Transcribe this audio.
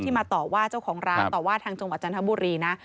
มาต่อว่าเจ้าของร้านต่อว่าทางจังหวัดจันทบุรีนะ